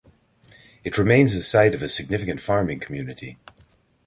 It remains the site of a significant farming community.